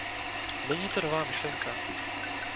Není to nová myšlenka.